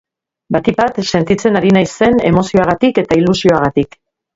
Batik bat sentitzen ari naizen emozioagatik eta ilusioagatik.